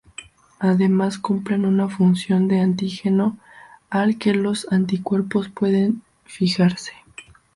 Además cumplen una función de antígeno al que los anticuerpos pueden fijarse.